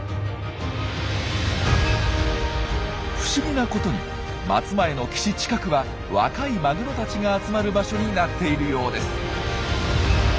不思議なことに松前の岸近くは若いマグロたちが集まる場所になっているようです。